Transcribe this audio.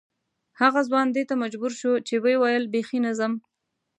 هغه ځوان دې ته مجبور شو چې ویې ویل بې خي نه ځم.